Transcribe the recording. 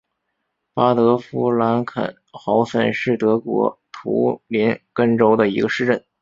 巴德夫兰肯豪森是德国图林根州的一个市镇。